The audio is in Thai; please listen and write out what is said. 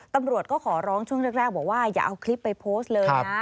ตำรวจก็ขอร้องช่วงแรกบอกว่าอย่าเอาคลิปไปโพสต์เลยนะ